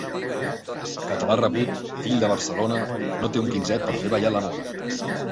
Català rabut, fill de Barcelona: no té un quinzet per fer ballar la mona.